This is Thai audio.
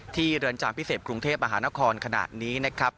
เรือนจำพิเศษกรุงเทพมหานครขณะนี้นะครับ